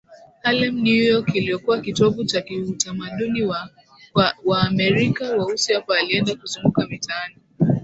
Harlem New York iliyokuwa kitovu cha kiutamaduni kwa Waamerika Weusi Hapa alienda kuzunguka mitaani